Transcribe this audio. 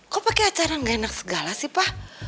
kok pakai acara gak enak segala sih pak